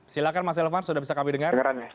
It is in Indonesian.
silahkan mas elvan sudah bisa kami dengar